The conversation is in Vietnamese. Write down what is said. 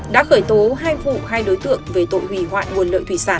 đã khởi tố hai vụ hai đối tượng về tội hủy hoại nguồn lợi thủy sản